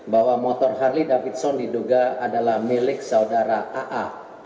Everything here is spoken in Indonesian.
bahwa motor harley davidson diduga adalah milik saudara aa